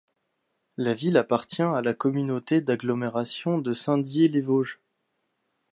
La ville appartient à la communauté d'agglomération de Saint-Dié-des-Vosges.